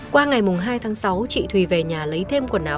qua ngày hai tháng sáu chị thùy về nhà lấy thêm quần áo